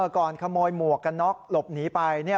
ก่อนขโมยหมวกกันน็อกหลบหนีไป